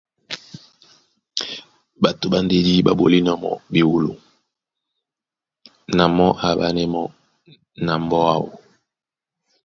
Ɓato ɓá ndedí ɓá ɓolínɔ̄ mɔ́ ɓewolo na mɔ́ á aɓánɛ́ mɔ́ na mbɔ́ áō.